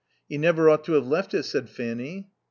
"He never ought to have left it," said Fanny.